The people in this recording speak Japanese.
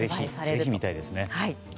ぜひ見たいですね。